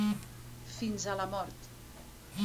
Fins a la mort.